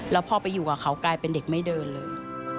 แล้วพอไปอยู่กับเขากลายเป็นเด็กไม่เดินเลย